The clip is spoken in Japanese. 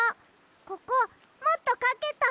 ここもっとかけた。